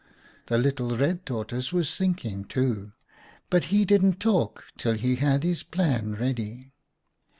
" The little Red Tortoise was thinking, too, but he didn't talk till he had his plan ready.